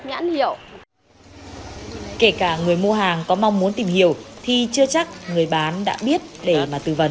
nhãn hiệu kể cả người mua hàng có mong muốn tìm hiểu thì chưa chắc người bán đã biết để mà tư vấn